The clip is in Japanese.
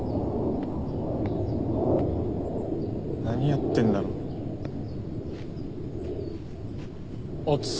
何やってんだろう。